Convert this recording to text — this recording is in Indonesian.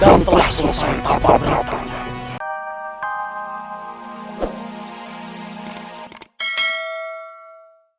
dan telah selesai tanpa beratnya